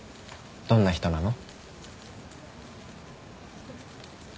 どんな人なの？